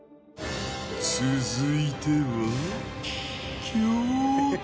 続いては